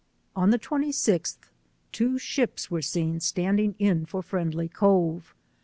On the 26th, two ships were seen standing in for Friendly Cove.